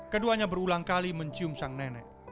keduanya berulang kali mencium sang nenek